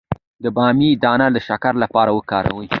د بامیې دانه د شکر لپاره وکاروئ